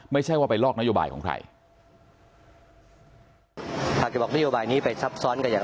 ไม่ใช่ว่าไปลอกนโยบายของใครหากจะบอกนโยบายนี้ไปซับซ้อนกันอย่าง